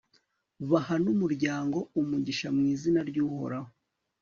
baha n'umuryango umugisha mu izina ry'uhoraho